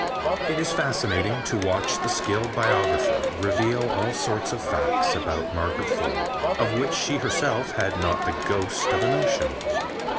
It is fascinating to watch the skilled biographer reveal all sorts of facts about Margaret Fuller of which she herself had not the ghost of a notion.